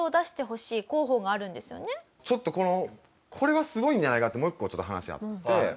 ちょっとこのこれはすごいんじゃないかってもう一個ちょっと話あって。